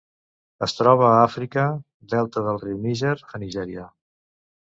Es troba a Àfrica: delta del riu Níger a Nigèria.